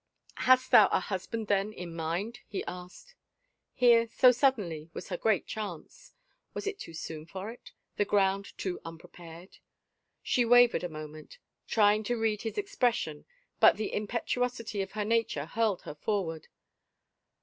" Hast thou a husband then in mind ?" he asked. Here, so. suddenly, was her great chance. Was it too soon for it — the ground too unprepared ? She wavered a moment, trying to read his expression but the im petuosity of her nature hurled her forward.